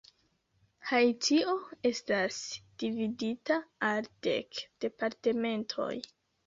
Haitio estas dividita al dek departementoj.